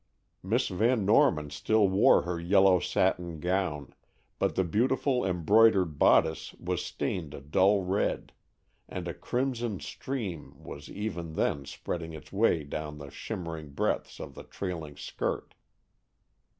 Miss Van Norman still wore her yellow satin gown, but the beautiful embroidered bodice was stained a dull red, and a crimson stream was even then spreading its way down the shimmering breadths of the trailing skirt.